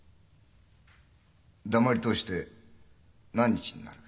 黙り通して何日になる？